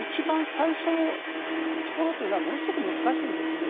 最初のところっていうのは、ものすごく難しいんですよね。